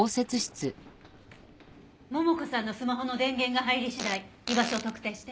桃香さんのスマホの電源が入り次第居場所を特定して。